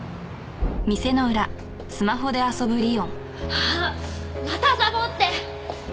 あっまたサボって！